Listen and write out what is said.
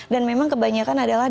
dan memang kebanyakan adalah